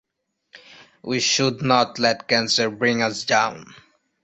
We should not let cancer bring us down.